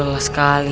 aku lelah sekali